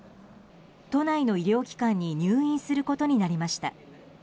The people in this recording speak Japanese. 都内の医療機関に入院することになりました。